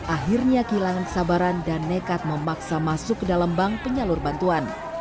akhirnya kehilangan kesabaran dan nekat memaksa masuk ke dalam bank penyalur bantuan